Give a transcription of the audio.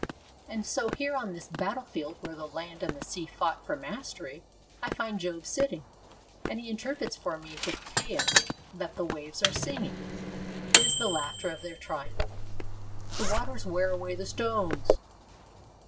And so here on this battle field where the land and the sea fought for mastery, I find Job sitting, and he interprets for me the paean that the waves are singing. It is the laughter of their triumph. 'The waters wear away the stones.'